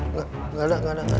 nggak ada nggak ada nggak ada